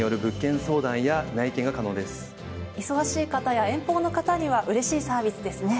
忙しい方や遠方の方にはうれしいサービスですね。